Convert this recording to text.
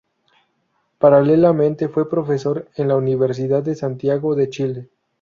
Paralelamente fue profesor en la Universidad de Santiago de Chile.